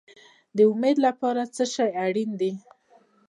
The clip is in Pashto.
د امید لپاره څه شی اړین دی؟